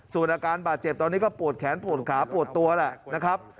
ส่วนอาการบาดเจ็บตอนนี้ก็ปวดแขนปวดขาปวดตัวแหละนะครับ